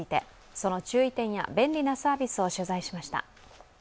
その注意点や便利なサービスを取材しました。